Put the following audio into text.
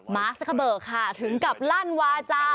มาร์คซักเกอร์เบิกค่ะถึงกับลั่นวาจา